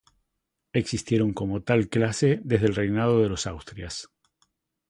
Existieron como tal clase desde el reinado de los Austrias.